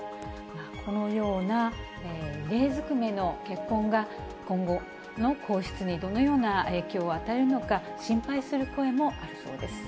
このような異例ずくめの結婚が、今後の皇室にどのような影響を与えるのか、心配する声もあるそうです。